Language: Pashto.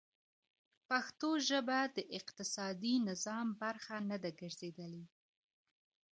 پښتو ژبه د اقتصادي نظام برخه نه ده ګرځېدلې.